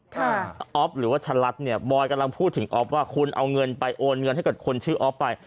อ๊อฟหรือว่าชะลัดเนี่ยบอยกำลังพูดถึงอ๊อฟว่าคุณเอาเงินไปโอนเงินให้กับคนชื่อออฟไป